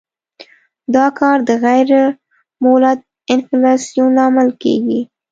دا کار د غیر مولد انفلاسیون لامل کیږي.